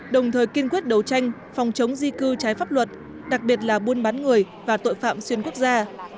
đồng thời kiên quyết đấu tranh phòng chống di cư trái pháp luật đặc biệt là buôn bán người và tội phạm xuyên quốc gia